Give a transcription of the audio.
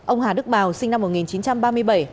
ông hà đức bào sinh năm một nghìn chín trăm ba mươi bảy